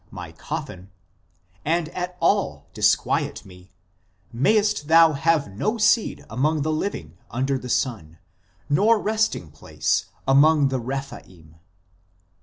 my coffin), and at all disquiet me, mayest thou have no seed among the living under the sun, nor resting place among the Rephaim."